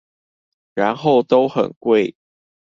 然後都很貴！